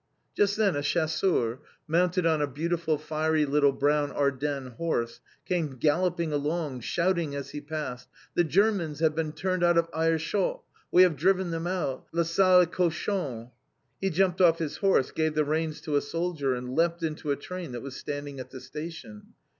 Just then, a chasseur, mounted on a beautiful fiery little brown Ardennes horse, came galloping along, shouting as he passed, "The Germans have been turned out of Aerschot; we have driven them out, les sales cochons!" He jumped off his horse, gave the reins to a soldier and leapt into a train that was standing at the station.